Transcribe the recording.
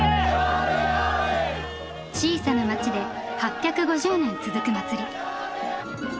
小さな町で８５０年続く祭り。